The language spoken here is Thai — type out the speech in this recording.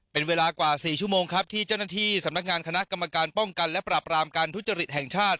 เป็นเวลากว่า๔ชั่วโมงครับที่เจ้าหน้าที่สำนักงานคณะกรรมการป้องกันและปรับรามการทุจริตแห่งชาติ